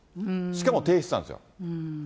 しかも、提出なんですよ。